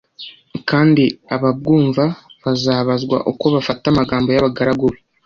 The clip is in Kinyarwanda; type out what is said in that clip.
kandi ababwumva bazabazwa uko bafata amagambo y’abagaragu be.